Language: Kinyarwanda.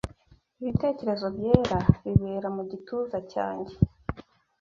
Ibitekerezo byera bibera mu gituza cyanjye